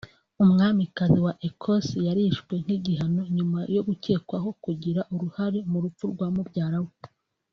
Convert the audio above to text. umwamikazi wa Ecosse yarishwe (nk’igihano) nyuma yo gukekwaho kugira uruhare mu rupfu rwa mubyara we